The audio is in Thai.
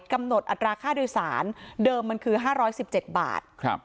กำหนดอัตราค่าโดยสารเดิมมันคือ๕๑๗บาท